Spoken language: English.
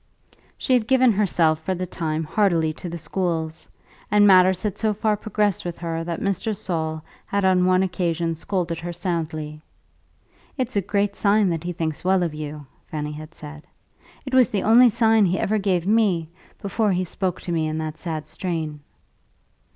She had given herself for the time heartily to the schools, and matters had so far progressed with her that Mr. Saul had on one occasion scolded her soundly. "It's a great sign that he thinks well of you," Fanny had said. "It was the only sign he ever gave me, before he spoke to me in that sad strain."